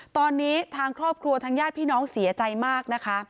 ตอนนี้ทางครอบครัวทางญาติพี่น้องเสียใจมากนะคะ